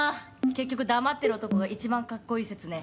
結局黙ってる男がいちばんかっこいい説ね。